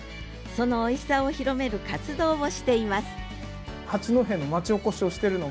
そのおいしさを広める活動をしています汁研。